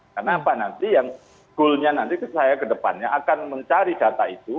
karena apa nanti yang goalnya nanti saya ke depannya akan mencari data itu